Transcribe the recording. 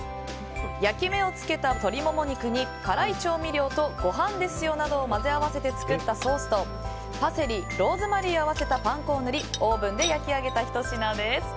焼き目をつけた鶏モモ肉に辛い調味料とごはんですよ！などを混ぜ合わせて作ったソースとパセリ、ローズマリーを合わせたパン粉を塗りオーブンで焼き上げたひと品です。